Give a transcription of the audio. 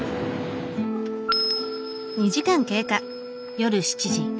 夜７時。